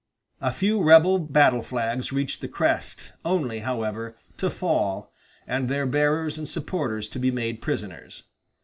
A few rebel battle flags reached the crest, only, however, to fall, and their bearers and supporters to be made prisoners.